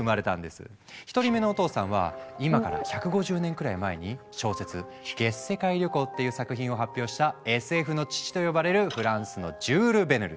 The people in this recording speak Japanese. １人目のお父さんは今から１５０年くらい前に小説「月世界旅行」っていう作品を発表した「ＳＦの父」と呼ばれるフランスのジュール・ヴェルヌ。